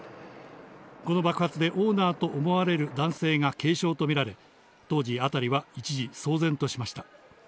この爆発でオーナーと思われる男性が軽傷と見られ、当時、辺りは一時騒然としました。